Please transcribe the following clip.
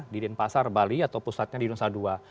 di denpasar bali atau pusatnya di nusa dua